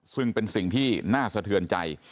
ซึ่งเป็นสิ่งที่น่าสะเทือนใจ